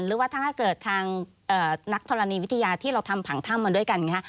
หรือว่าถ้าเกิดทางนักธรณีวิทยาที่เราทำผังถ้ำมาด้วยกันอย่างนี้